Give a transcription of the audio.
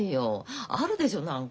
あるでしょ何か。